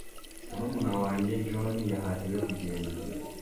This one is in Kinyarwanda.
murumuna wanjye john yahatiwe kugenda